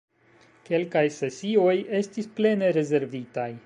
Kelkaj sesioj estis plene rezervitaj!